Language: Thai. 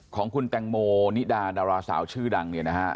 ของคุณแตงโมนิดาดาราสาวชื่อดังเนี่ยนะฮะ